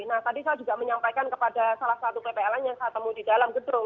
nah tadi saya juga menyampaikan kepada salah satu ppln yang saya temui di dalam gedung